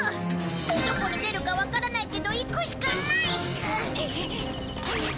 どこに出るかわからないけど行くしかない！